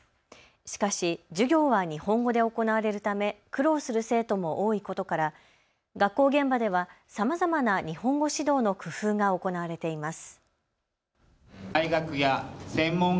しかし授業は日本語で行われるため苦労する生徒も多いことから学校現場ではさまざまな日本語指導の工夫が行われています。